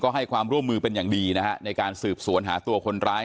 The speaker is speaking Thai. ให้ความร่วมมือเป็นอย่างดีนะฮะในการสืบสวนหาตัวคนร้าย